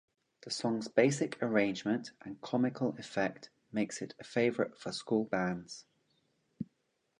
The song's basic arrangement and comical effect makes it a favourite for school bands.